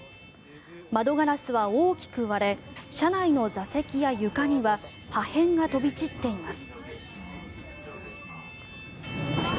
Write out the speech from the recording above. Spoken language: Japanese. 窓ガラスは大きく割れ車内の座席や床には破片が飛び散っています。